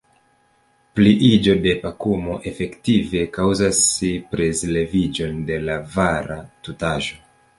Pliiĝo de pakumo efektive kaŭzas prezleviĝon de la vara tutaĵo.